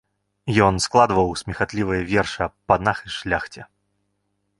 Ён складваў смехатлівыя вершы аб панах і шляхце.